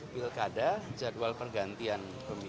pilkada jadwal pergantian